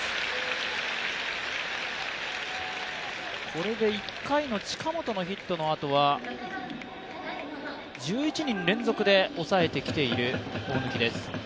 これで１回の近本のヒットのあとは１１人連続で抑えてきている大貫です。